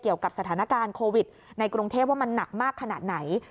เกี่ยวกับสถานการณ์โควิดในกรุงเทพว่ามันหนักมากขนาดไหน